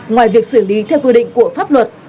ngoài việc xử lý theo quy định của pháp luật